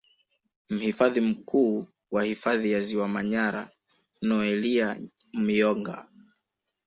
Mhifadhi Mkuu wa Hifadhi ya Ziwa Manyara Noelia Myonga